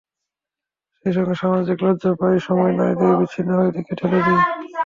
সেই সঙ্গে সামাজিক লজ্জা প্রায় সময়ই নারীদের বিচ্ছিন্নতার দিকে ঠেলে দেয়।